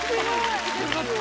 よかった。